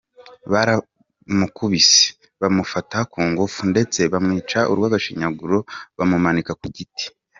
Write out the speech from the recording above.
Baramukubise, bamufata ku ngufu ndetse bamwica urw’agashinyaguro bamumanika ku giti.